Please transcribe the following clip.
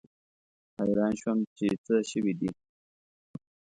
حیران شوم چې څه شوي دي.